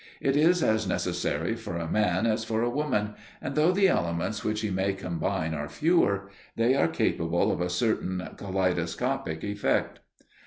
It is as necessary for a man as for a woman, and, though the elements which he may combine are fewer, they are capable of a certain kaleidoscopic effect.